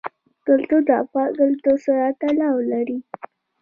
کلتور د افغان کلتور سره تړاو لري.